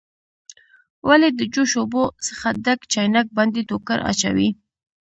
ولې د جوش اوبو څخه ډک چاینک باندې ټوکر اچوئ؟